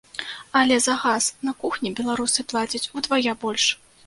Але за газ на кухні беларусы плацяць удвая больш.